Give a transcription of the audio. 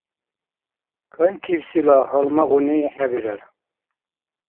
Кайкибсила гьалмагъуни хӀебирар.